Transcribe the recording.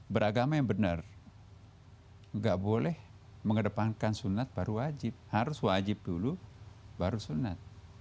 beragama yang benar nggak boleh mengedepankan sunat baru wajib harus wajib dulu baru sunat